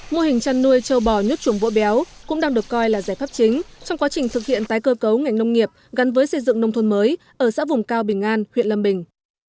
mô hình chăn nuôi châu bò nhốt chuồng vỗ béo cũng đang được coi là giải pháp chính trong quá trình thực hiện tái cơ cấu ngành nông nghiệp gắn với xây dựng nông thôn mới ở xã vùng cao bình an huyện lâm bình